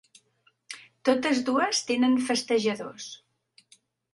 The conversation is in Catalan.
Totes dues tenen festejadors.